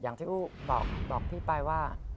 อย่างที่อุ๊บอกพี่ไปว่า